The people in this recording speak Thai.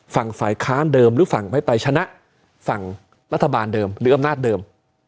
ฝ่ายค้านเดิมหรือฝั่งไม่ไปชนะฝั่งรัฐบาลเดิมหรืออำนาจเดิม